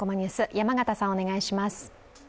山形さん、お願いします。